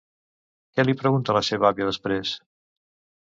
Què li pregunta la seva àvia després?